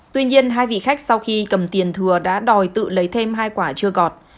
tuy nhiên hai vị khách sau khi cầm tiền thừa đã đòi tự lấy thêm hai quả chưa gọt